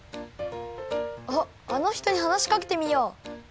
あっあのひとにはなしかけてみよう！